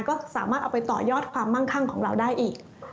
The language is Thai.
ก็สามารถเอาไปต่อยอดความมั่งคั่งของเราได้อีก